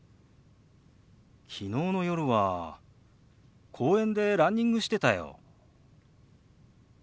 昨日の夜は公園でランニングしてたよ。